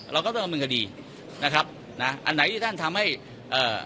เราก็ต้องดำเนินคดีนะครับนะอันไหนที่ท่านทำให้เอ่อ